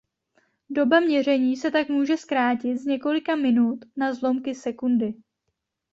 Doba měření se tak může zkrátit z několika minut na zlomky sekundy.